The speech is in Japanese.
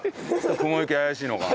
雲行き怪しいのかな。